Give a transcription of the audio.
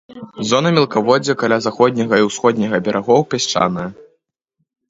Зона мелкаводдзя каля заходняга і ўсходняга берагоў пясчаная.